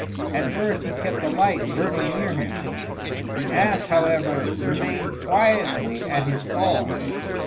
At first he kept a light burning near him. The ass, however, remained quietly at his stall.